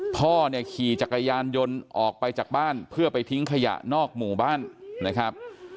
พ่อเนี่ยขี่จักรยานยนต์ออกไปจากบ้านเพื่อไปทิ้งขยะนอกหมู่บ้านนะครับ